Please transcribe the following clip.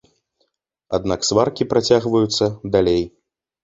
Аднак сваркі працягваюцца далей.